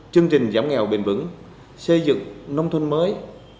chương trình giảm nghèo bền vững xây dựng nông thôn mới